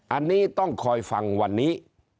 อันนี้ต้องคอยฟังวันนี้